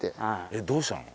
えっどうしたの？